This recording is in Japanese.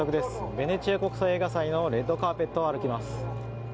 ベネチア国際映画祭のレッドカーペットを歩きます。